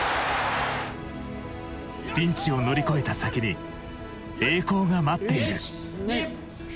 ピンチを乗り越えた先に栄光が待っている。